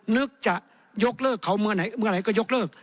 นึกจะยกเลิกเขาเมื่อไหร่ก็ยกเลิก